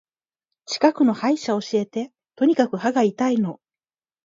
近くの歯医者教えて。とにかく歯が痛いの。